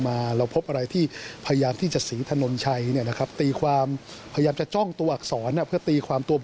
ภักดิ์๙ไกลอาจจะเสนอคุณวิทาด้วยหรือเปล่า